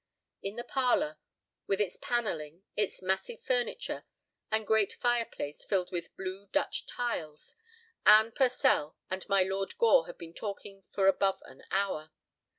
In the parlor, with its panelling, its massive furniture, and great fireplace filled with blue Dutch tiles, Anne Purcell and my Lord Gore had been talking for above an hour.